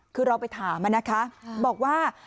คือเราไปถามนะคะบอกว่า